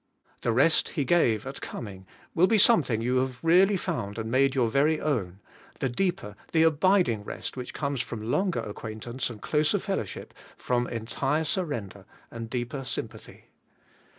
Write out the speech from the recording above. The rest He gave at coming will become something you have really found and made your very own, — the deeper the abiding rest which comes from longer acquaint ance and closer fellowship, from entire surrender and deeper sympathy.